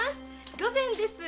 御膳です。